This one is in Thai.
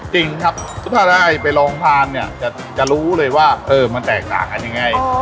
จริงครับถ้าได้ไปลองทานเนี่ยจะรู้เลยว่ามันแตกต่างกันยังไง